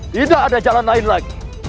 tidak ada jalan lain lagi